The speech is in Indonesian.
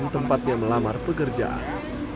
tempatnya melamar pekerjaan